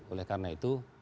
oleh karena itu